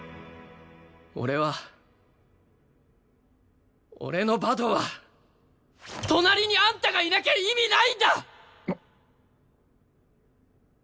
俺は俺のバドは隣にあんたがいなきゃ意味ないんだ！